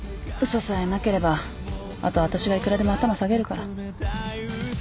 嘘さえなければあとは私がいくらでも頭下げるから。